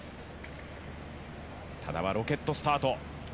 多田はロケットスタート。